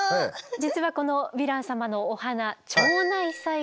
実はこのヴィラン様のお花腸内細菌なのでございます。